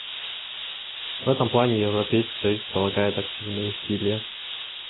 В этом плане Европейский союз прилагает активные усилия.